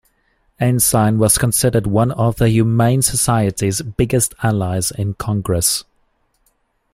Ensign was considered one of the Humane Society's biggest allies in Congress.